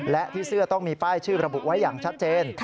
และที่เสื้อต้องมีป้ายชื่อระบุไว้อย่างชัดเจน